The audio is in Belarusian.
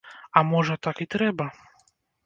А можа, так і трэба?